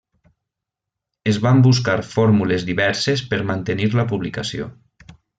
Es van buscar fórmules diverses per mantenir la publicació.